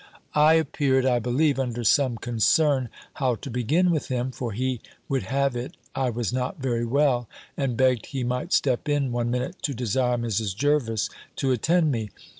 I appeared, I believe, under some concern how to begin with him; for he would have it I was not very well, and begged he might step in one minute to desire Mrs. Jervis to attend me.